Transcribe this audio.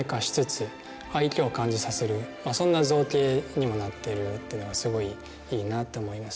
にもなってるっていうのがすごいいいなと思います。